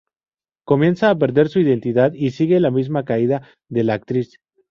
Comienza a perder su identidad y sigue la misma caída de la actriz.